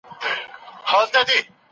تفوق غوښتل د انسان طبعیت دی.